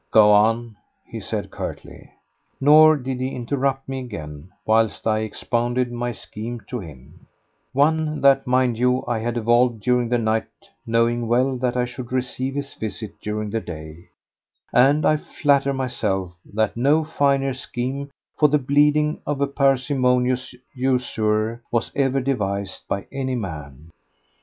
"Go on," he said curtly. Nor did he interrupt me again whilst I expounded my scheme to him—one that, mind you, I had evolved during the night, knowing well that I should receive his visit during the day; and I flatter myself that no finer scheme for the bleeding of a parsimonious usurer was ever devised by any man.